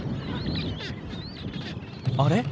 あれ？